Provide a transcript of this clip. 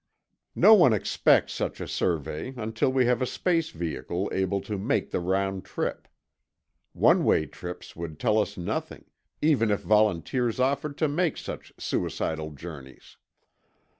No one expects such a survey until we have a space vehicle able to make the round trip. One way trips would tell us nothing, even if volunteers offered to make such suicidal journeys.